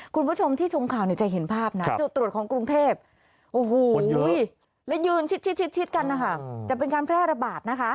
คุณผู้ชมที่ชมข่าวจะเห็นภาพจุดตรวจของกรุงเทพและยืนชิดกันจะเป็นการแพร่ระบาด